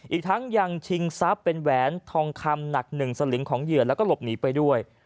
อีกทั้งยังชิงทรัพย์เป็นแหวนทองคำหนัก๑สลิงของเหยื่อแล้วก็หลบหนีไปด้วย